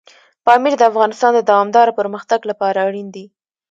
پامیر د افغانستان د دوامداره پرمختګ لپاره اړین دي.